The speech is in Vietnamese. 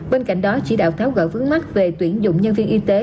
bên cạnh đó chỉ đạo tháo gỡ vướng mắt về tuyển dụng nhân viên y tế